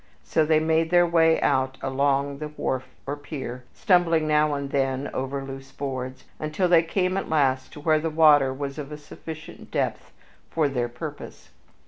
So they made their way out along the wharf or pier, stumbling now and then over loose boards, until they came at last to where the water was of a sufficient depth for their purpose.